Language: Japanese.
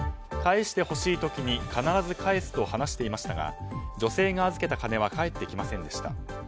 返してほしい時に必ず返してほしいと話していましたが女性が預けた金は返ってきませんでした。